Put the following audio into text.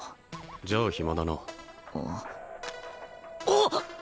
じゃあ暇だなあっ！